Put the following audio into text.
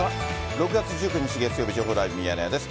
６月１９日月曜日、情報ライブミヤネ屋です。